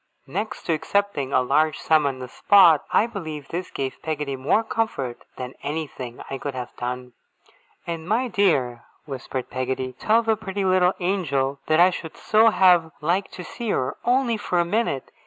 Next to accepting a large sum on the spot, I believe this gave Peggotty more comfort than anything I could have done. 'And, my dear!' whispered Peggotty, 'tell the pretty little angel that I should so have liked to see her, only for a minute!